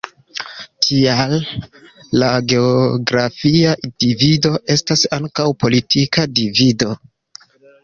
Tial la geografia divido estas ankaŭ politika divido.